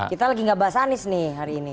kita lagi gak bahas anies nih hari ini